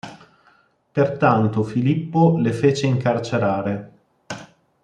Pertanto, Filippo le fece incarcerare.